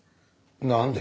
なんで？